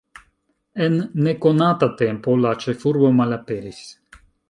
En nekonata tempo la ĉefurbo malaperis.